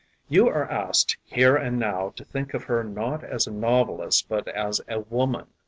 You are asked here and now to think of her not as a novelist but as a woman.